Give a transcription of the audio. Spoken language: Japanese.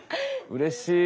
うれしい！